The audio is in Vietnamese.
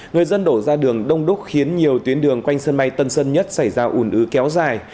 người dân đổ ra đường đông đúc khiến nhiều tuyến đường quanh sân bay tân sơn nhất xảy ra ủn ứ kéo dài